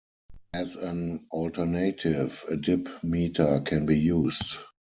As an alternative, a dip meter can be used.